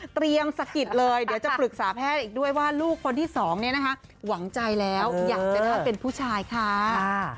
สะกิดเลยเดี๋ยวจะปรึกษาแพทย์อีกด้วยว่าลูกคนที่สองเนี่ยนะคะหวังใจแล้วอยากจะได้เป็นผู้ชายค่ะ